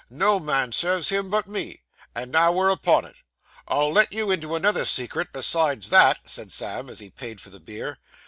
'No man serves him but me. And now we're upon it, I'll let you into another secret besides that,' said Sam, as he paid for the beer.